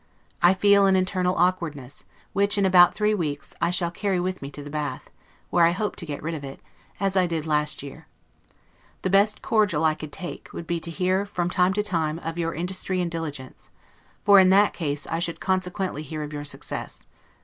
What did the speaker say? I feel an internal awkwardness, which, in about three weeks, I shall carry with me to the Bath, where I hope to get rid of it, as I did last year. The best cordial I could take, would be to hear, from time to time, of your industry and diligence; for in that case I should consequently hear of your success.